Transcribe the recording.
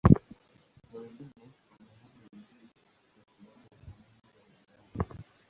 Kwa wengine, wana hali ya juu kwa sababu ya thamani ya bidhaa zao.